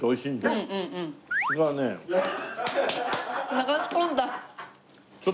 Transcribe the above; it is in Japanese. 流し込んだ。